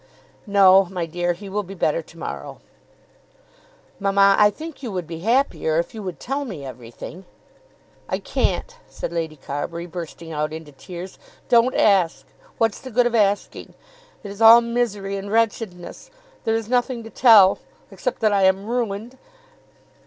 "No, my dear. He will be better to morrow." "Mamma, I think you would be happier if you would tell me everything." "I can't," said Lady Carbury, bursting out into tears. "Don't ask. What's the good of asking? It is all misery and wretchedness. There is nothing to tell, except that I am ruined."